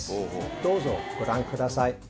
どうぞご覧ください。